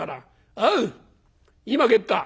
おう今帰った。